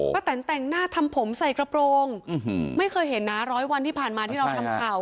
แตนแต่งหน้าทำผมใส่กระโปรงไม่เคยเห็นนะร้อยวันที่ผ่านมาที่เราทำข่าว